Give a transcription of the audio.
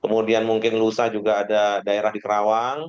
kemudian mungkin lusa juga ada daerah di kerawang